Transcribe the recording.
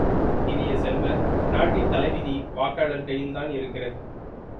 இனிய செல்வ, நாட்டின் தலைவிதி வாக்காளர்கள் கையில் இருக்கிறது!